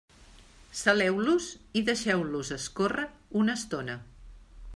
Saleu-los i deixeu-los escórrer una estona.